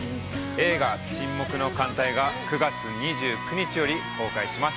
◆映画「沈黙の艦隊」が９月２９日より公開にします！